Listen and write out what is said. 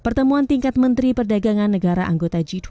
pertemuan tingkat menteri perdagangan negara anggota g dua puluh